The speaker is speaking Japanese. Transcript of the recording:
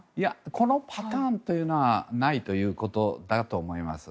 このパターンというのはないということだと思います。